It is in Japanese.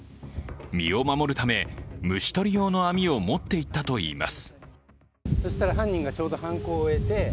身を守るため、虫捕り用の網を持っていったといいます。